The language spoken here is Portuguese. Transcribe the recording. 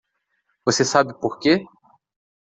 Você sabe porque?